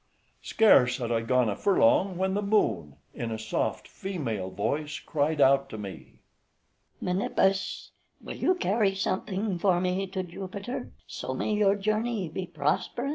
{178a} Scarce had I gone a furlong, when the Moon, in a soft female voice, cried out to me, "Menippus, will you carry something for me to Jupiter, so may your journey be prosperous?"